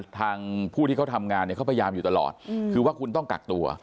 ทางผู้ที่เขาทำงานเนี่ยเขาพยายามอยู่ตลอดคือว่าคุณต้องกักตัว